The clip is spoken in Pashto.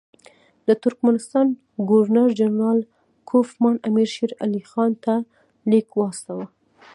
د ترکمنستان ګورنر جنرال کوفمان امیر شېر علي خان ته لیک واستاوه.